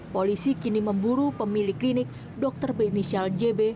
polisi kini memburu pemilik klinik dokter berinisial jb